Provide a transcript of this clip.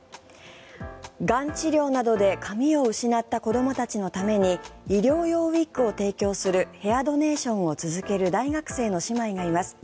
がん治療などで髪を失った子どもたちのために医療用ウィッグを提供するヘアドネーションを続ける大学生の姉妹がいます。